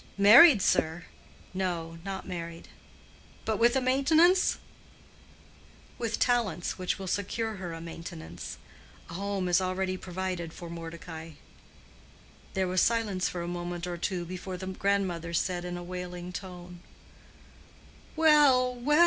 "Married, sir?" "No, not married." "But with a maintenance?" "With talents which will secure her a maintenance. A home is already provided for Mordecai." There was silence for a moment or two before the grandmother said in a wailing tone, "Well, well!